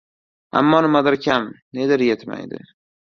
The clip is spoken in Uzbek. Ammo nimadir kam, nedir yetmaydi